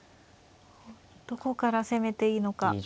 どこから攻めていいのか。